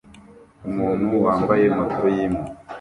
Umuntu wambaye moto yimpu